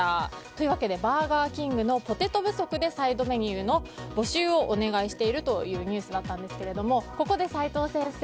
というわけでバーガーキングのポテト不足でサイドメニューの募集をお願いしているというニュースだったんですがここで齋藤先生